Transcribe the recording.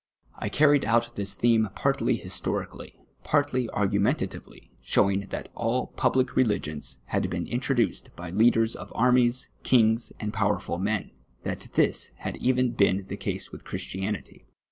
I caiTied out this theme partly historically, partly argumenta tivcly, showing that all public religions had been introduced by leaders of armies, kings, and powerful men ; that this had even been the case with Christianity.